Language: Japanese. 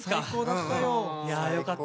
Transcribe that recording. いやよかった。